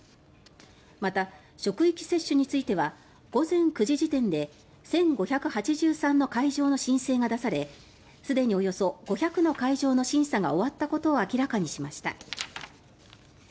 また、職域接種については午前９時時点で１５８３の会場の申請が出されすでにおよそ５００の会場の審査が終わったことを明らかにしました。